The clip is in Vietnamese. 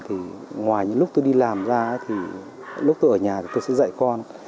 thì ngoài những lúc tôi đi làm ra thì lúc tôi ở nhà tôi sẽ dạy con